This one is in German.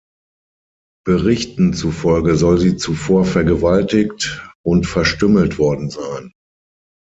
Berichten zufolge soll sie zuvor vergewaltigt und verstümmelt worden sein.